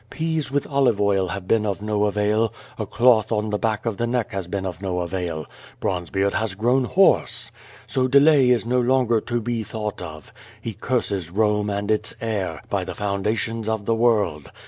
Peas with olive oil have been of no avail, a cloth on the back of the neck has been of no avail. Bronzebeard has grown hoarse. So delay is no longer to be thought of. He curses Rome and its air, by the foundationsof the world.